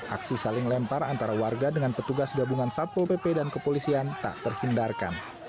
aksi saling lempar antara warga dengan petugas gabungan satpol pp dan kepolisian tak terhindarkan